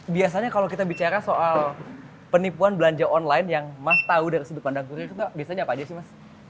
biasanya kalau kita bicara soal penipuan belanja online yang mas tahu dari sudut pandang kurir itu biasanya apa aja sih mas